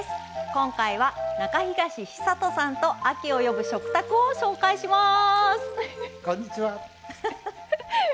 今回は中東久人さんと「秋を呼ぶ食卓」を紹介します。